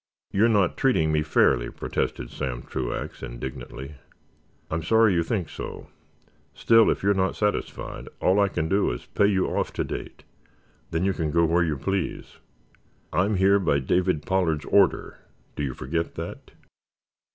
"You're not treating me fairly," protested Sam Truax, indignantly. "I'm sorry you think so. Still, if you're not satisfied, all I can do is to pay you off to date. Then you can go where you please." "I'm here by David Pollard's order. Do you forget that?"